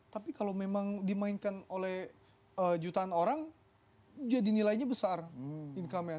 tapi kalau memang dimainkan oleh jutaan orang jadi nilainya besar income nya